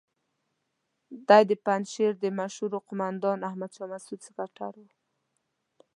دی د پنجشیر د مشهور قوماندان احمد شاه مسعود سکرتر وو.